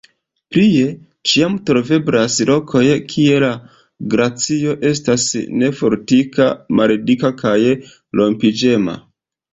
Plie, ĉiam troveblas lokoj, kie la glacio estas nefortika, maldika kaj rompiĝema.